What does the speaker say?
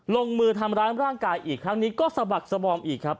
ลงมือทำร้ายร่างกายอีกครั้งนี้ก็สะบักสบอมอีกครับ